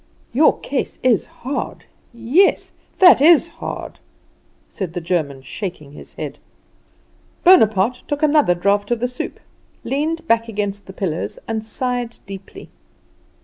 "Your case is hard; yes, that is hard," said the German, shaking his head. Bonaparte took another draught of the soup, leaned back against the pillows, and sighed deeply.